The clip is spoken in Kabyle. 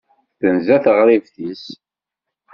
Tenza teɣribt-is.